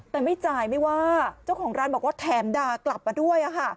แต่ไม่จ่ายไม่ว่าเจ้าของร้านบอกว่าแถมด่ากลับมาด้วย